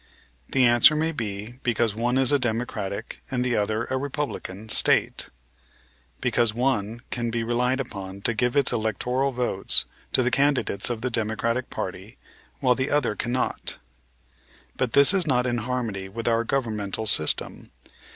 The answer may be because one is a Democratic and the other a Republican State because one can be relied upon to give its electoral votes to the candidates of the Democratic party while the other cannot. But this is not in harmony with our governmental system.